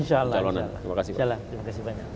insya allah insya allah terima kasih banyak